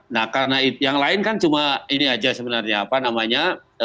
nah karena yang lain kan cuma ini aja sebenarnya apa namanya